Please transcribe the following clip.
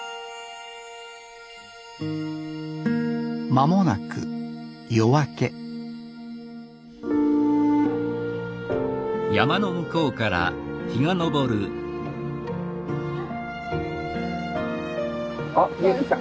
間もなく夜明けあ見えてきた。